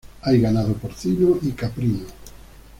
Hay ganado porcino y caprino.